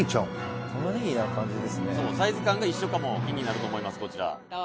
サイズ感が一緒かも気になると思いますこちら」